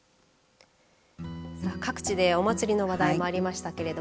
各地でお祭りの話題もありましたけど